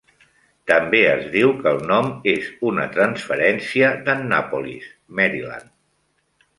També es diu que el nom és una transferència d'Annapolis, Maryland.